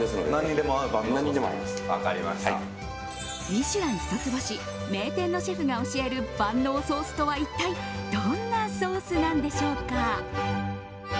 「ミシュラン」一つ星名店のシェフが教える万能ソースとは一体どんなソースなんでしょうか。